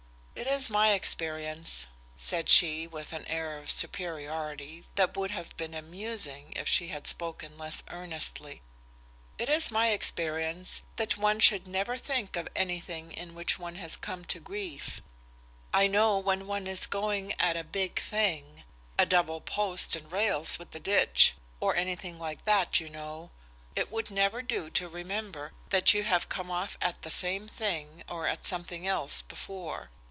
"It is my experience," said she with an air of superiority that would have been amusing if she had spoken less earnestly "it is my experience that one should never think of anything in which one has come to grief. I know, when one is going at a big thing a double post and rails with a ditch, or anything like that, you know it would never do to remember that you have come off at the same thing or at something else before.